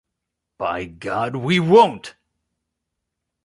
By God, we won't!